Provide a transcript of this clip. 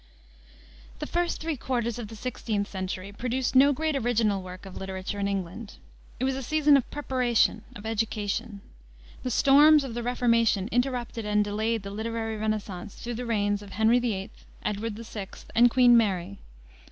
The first three quarters of the 16th century produced no great original work of literature in England. It was a season of preparation, of education. The storms of the Reformation interrupted and delayed the literary renascence through the reigns of Henry VIII., Edward VI., and Queen Mary.